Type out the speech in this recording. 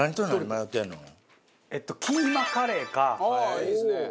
いいですね。